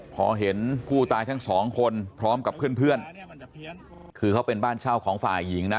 พอเห็นผู้ตายทั้งสองคนพร้อมกับเพื่อนคือเขาเป็นบ้านเช่าของฝ่ายหญิงนะ